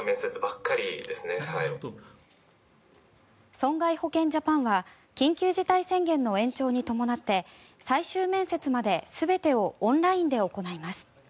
損害保険ジャパンは緊急事態宣言の延長に伴って最終面接まで全てをオンラインで行います。